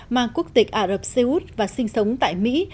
mang quốc tịch ả rập xê út và sinh sống tại mỹ